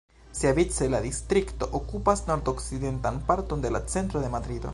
Siavice la distrikto okupas nordokcidentan parton en la centro de Madrido.